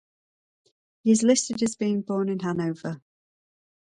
He is listed as being born in Hanover.